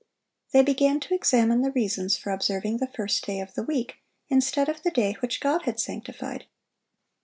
They began to examine the reasons for observing the first day of the week instead of the day which God had sanctified.